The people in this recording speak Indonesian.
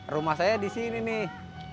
rumah saya di sini nih